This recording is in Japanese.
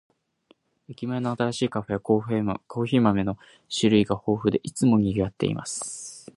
駅前の新しいカフェは、コーヒー豆の種類が豊富で、いつも賑わっています。